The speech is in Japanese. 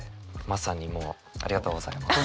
まさにもうありがとうございます。